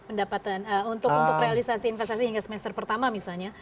pendapatan untuk realisasi investasi hingga semester pertama misalnya